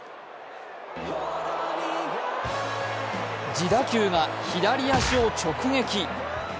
自打球が左足を直撃。